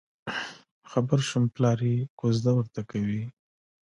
خبر شوم پلار یې کوزده ورته کوي.